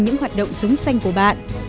những hoạt động sống xanh của bạn